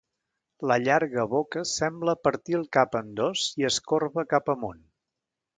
La llarga boca sembla partir el cap en dos i es corba cap amunt.